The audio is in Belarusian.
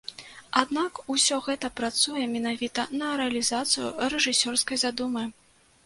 Аднак, усё гэта працуе менавіта на рэалізацыю рэжысёрскай задумы.